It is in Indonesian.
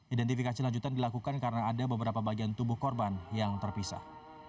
identifikasi lanjutan dilakukan karena ada beberapa bagian tubuh korban yang terpisah